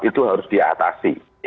itu harus diatasi